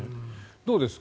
どうですか？